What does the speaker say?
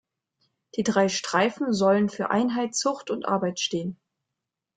Die drei Streifen sollen für Einheit, Zucht und Arbeit stehen.